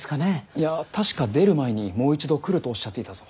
いや確か出る前にもう一度来るとおっしゃっていたぞ。